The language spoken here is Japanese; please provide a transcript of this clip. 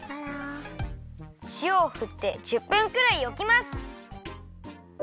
しおをふって１０分くらいおきます。